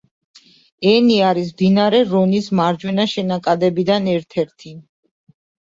ენი არის მდინარე რონის მარჯვენა შენაკადებიდან ერთ-ერთი.